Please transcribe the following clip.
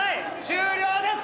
終了です！